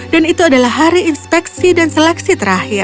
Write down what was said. dan itu adalah hari inspeksi dan seleksi terakhir